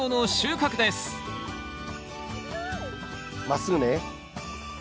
まっすぐね。